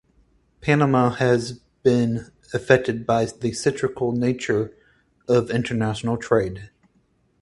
Panama has been affected by the cyclical nature of international trade.